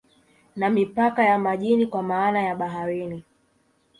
Na mipaka ya majini kwa maana ya baharini